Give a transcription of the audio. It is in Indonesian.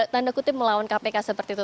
tanda kutip melawan kpk seperti itu